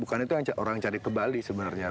bukan itu orang cari ke bali sebenarnya